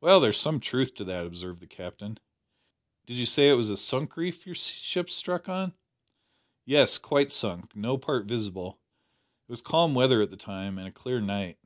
"Well, there's some truth in that," observed the Captain. "Did you say it was a sunk reef your ship struck on?" "Yes; quite sunk. No part visible. It was calm weather at the time, and a clear night."